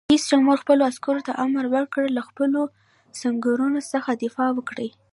رئیس جمهور خپلو عسکرو ته امر وکړ؛ له خپلو سنگرونو څخه دفاع وکړئ!